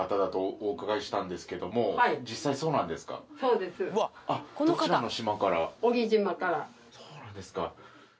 そうなんですか。